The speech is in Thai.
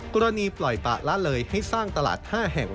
กรณีปล่อยปะละเลยให้สร้างตลาด๕แห่ง